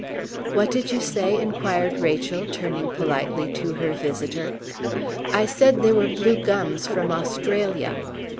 "What did you say?" inquired Rachel, turning politely to her visitor. "I said they were blue gums from Australia."